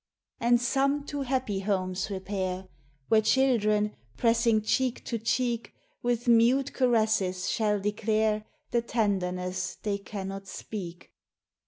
And some to happy homes repair, Where children, pressing cheek to cheek, With mute caresses shall declare The tenderness they cannot speak.